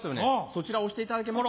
そちらを押していただけますか？